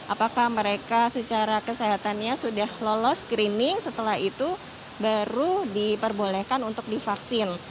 apakah mereka secara kesehatannya sudah lolos screening setelah itu baru diperbolehkan untuk divaksin